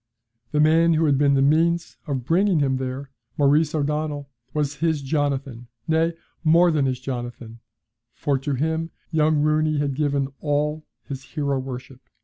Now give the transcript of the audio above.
The man who had been the means of bringing him there, Maurice O'Donnell, was his Jonathan, nay more than his Jonathan, for to him young Rooney had given all his hero worship.